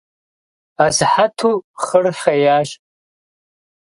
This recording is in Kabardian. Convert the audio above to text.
Асыхьэту хъыр хъеящ.